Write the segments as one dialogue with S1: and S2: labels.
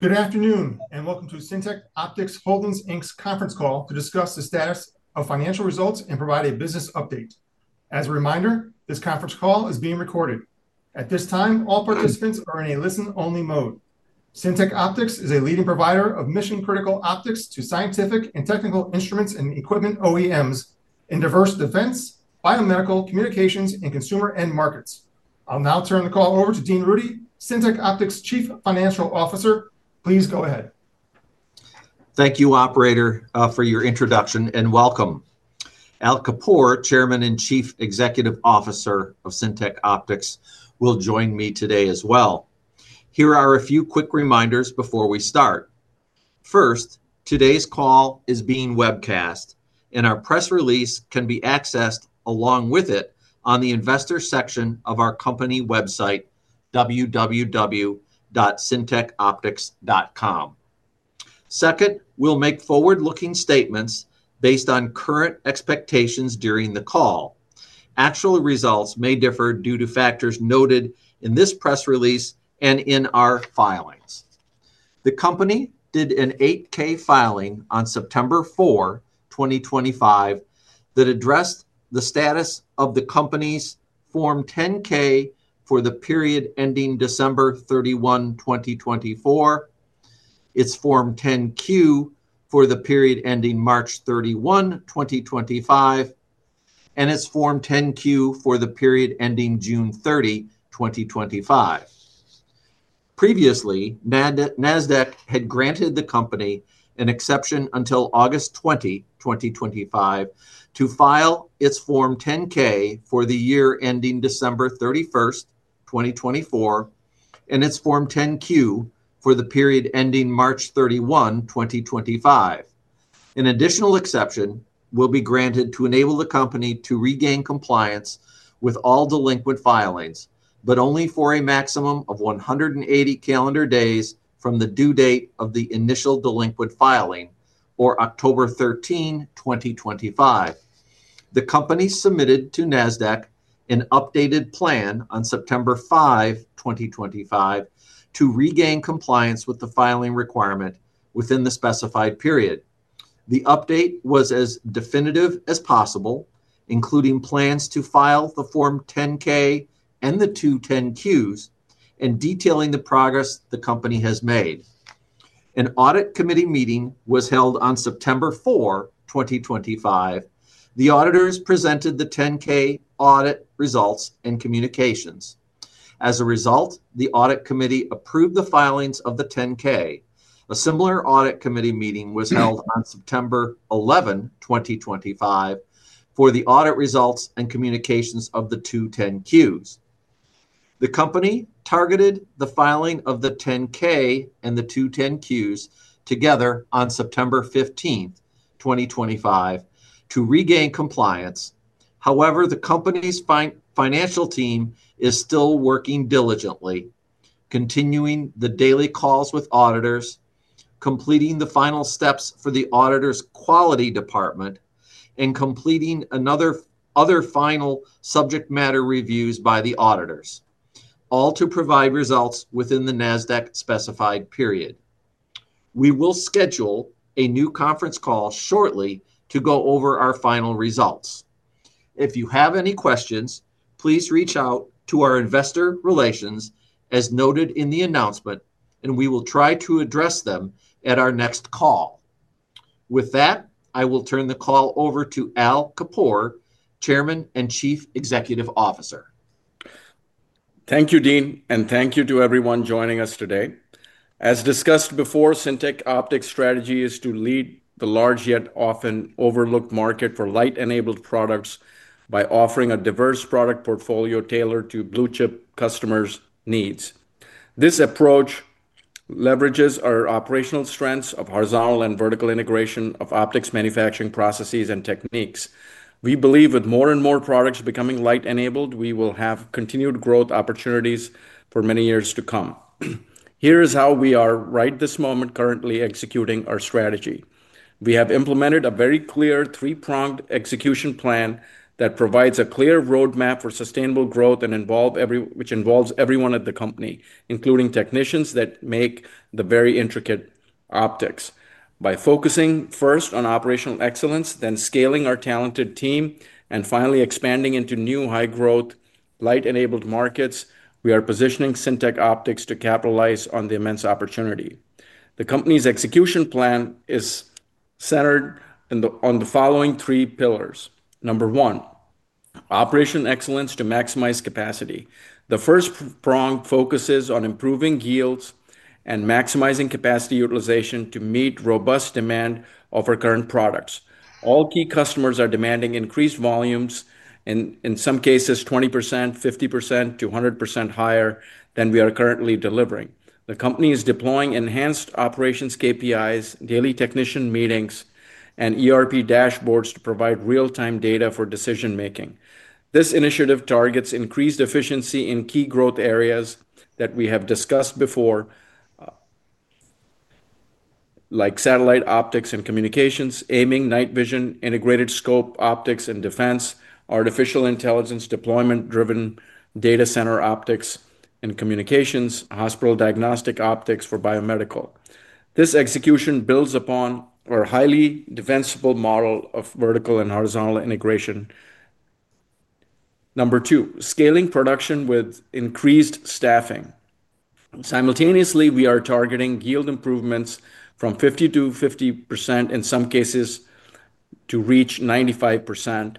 S1: Good afternoon and welcome to the Syntec Optics Holdings Inc.'s Conference Call to discuss the status of financial results and provide a business update. As a reminder, this conference call is being recorded. At this time, all participants are in a listen-only mode. Syntec Optics is a leading provider of mission-critical optics to scientific and technical instruments and equipment OEMs in diverse defense, biomedical, communications, and consumer end markets. I'll now turn the call over to Dean Rudy, Syntec Optics' Chief Financial Officer. Please go ahead.
S2: Thank you, Operator, for your introduction and welcome. Al Kapoor, Chairman and Chief Executive Officer of Syntec Optics, will join me today as well. Here are a few quick reminders before we start. First, today's call is being webcast, and our press release can be accessed along with it on the Investors section of our company website, www.syntecoptics.com. Second, we'll make forward-looking statements based on current expectations during the call. Actual results may differ due to factors noted in this press release and in our filings. The company did an 8-K filing on September 4, 2025, that addressed the status of the company's Form 10-K for the period ending December 31, 2024, its Form 10-Q for the period ending March 31, 2025, and its Form 10-Q for the period ending June 30, 2025. Previously, Nasdaq had granted the company an exception until August 20, 2025, to file its Form 10-K for the year ending December 31, 2024, and its Form 10-Q for the period ending March 31, 2025. An additional exception will be granted to enable the company to regain compliance with all delinquent filings, but only for a maximum of 180 calendar days from the due date of the initial delinquent filing, or October 13, 2025. The company submitted to Nasdaq an updated plan on September 5, 2025, to regain compliance with the filing requirement within the specified period. The update was as definitive as possible, including plans to file the Form 10-K and the two 10-Qs, and detailing the progress the company has made. An audit committee meeting was held on September 4, 2025. The auditors presented the 10-K audit results and communications. As a result, the audit committee approved the filings of the 10-K. A similar audit committee meeting was held on September 11, 2025, for the audit results and communications of the two 10-Qs. The company targeted the filing of the 10-K and the two 10-Qs together on September 15, 2025, to regain compliance. However, the company's financial team is still working diligently, continuing the daily calls with auditors, completing the final steps for the auditor's quality department, and completing other final subject matter reviews by the auditors, all to provide results within the Nasdaq specified period. We will schedule a new conference call shortly to go over our final results. If you have any questions, please reach out to our investor relations as noted in the announcement, and we will try to address them at our next call. With that, I will turn the call over to Al Kapoor, Chairman and Chief Executive Officer.
S3: Thank you, Dean, and thank you to everyone joining us today. As discussed before, Syntec Optics' strategy is to lead the large yet often overlooked market for light-enabled products by offering a diverse product portfolio tailored to blue-chip customers' needs. This approach leverages our operational strengths of horizontal and vertical integration of optics manufacturing processes and techniques. We believe with more and more products becoming light-enabled, we will have continued growth opportunities for many years to come. Here is how we are right this moment currently executing our strategy. We have implemented a very clear three-pronged execution plan that provides a clear roadmap for sustainable growth and involves everyone at the company, including technicians that make the very intricate optics. By focusing first on operational excellence, then scaling our talented team, and finally expanding into new high-growth light-enabled markets, we are positioning Syntec Optics to capitalize on the immense opportunity. The company's execution plan is centered on the following three pillars. Number one, operational excellence to maximize capacity. The first prong focuses on improving yields and maximizing capacity utilization to meet robust demand of our current products. All key customers are demanding increased volumes, and in some cases, 20%, 50%, to 100% higher than we are currently delivering. The company is deploying enhanced operations KPIs, daily technician meetings, and ERP dashboards to provide real-time data for decision-making. This initiative targets increased efficiency in key growth areas that we have discussed before, like satellite optics and communications, aiming night vision, integrated scope optics and defense, artificial intelligence deployment-driven data center optics and communications, and hospital diagnostic optics for biomedical. This execution builds upon our highly defensible model of vertical and horizontal integration. Number two, scaling production with increased staffing. Simultaneously, we are targeting yield improvements from 50% to 50% in some cases to reach 95%,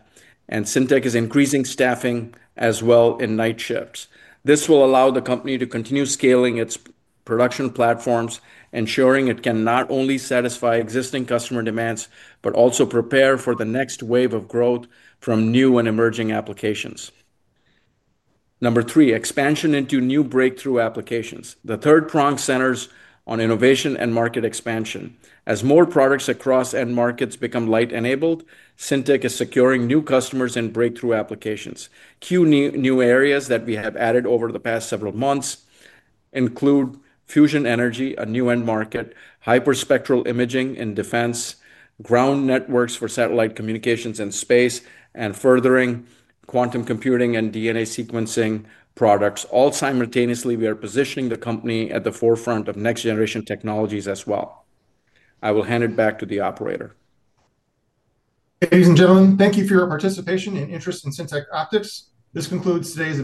S3: and Syntec is increasing staffing as well in night shifts. This will allow the company to continue scaling its production platforms, ensuring it can not only satisfy existing customer demands, but also prepare for the next wave of growth from new and emerging applications. Number three, expansion into new breakthrough applications. The third prong centers on innovation and market expansion. As more products across end markets become light-enabled, Syntec is securing new customers in breakthrough applications. Key new areas that we have added over the past several months include fusion energy, a new end market, hyperspectral imaging for defense, ground networks for satellite communications and space, and furthering quantum computing and DNA sequencing products. All simultaneously, we are positioning the company at the forefront of next-generation technologies as well. I will hand it back to the Operator. Thank you.
S1: Ladies and gentlemen, thank you for your participation and interest in Syntec Optics. This concludes today's.